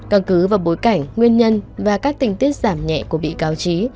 căn cứ vào bối cảnh nguyên nhân và các tình tiết giảm nhẹ của bị cáo trí